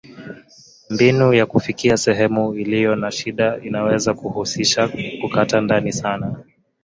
Mbinu ya kufikia sehemu iliyo na shida inaweza kuhusisha kukata ndani sana.